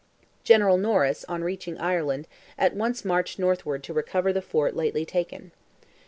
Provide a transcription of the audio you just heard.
General Norris, on reaching Ireland, at once marched northward to recover the fort lately taken.